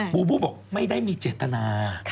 บูบูบอกไม่ได้มีเจตนา